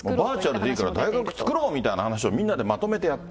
バーチャルでいいから大学作ろうみたいな話をみんなでまとめてやった。